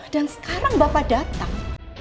dan sekarang bapak datang